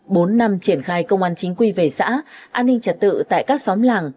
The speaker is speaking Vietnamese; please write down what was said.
bốn năm triển khai công an chính quy về xã an ninh trật tự tại các xóm làng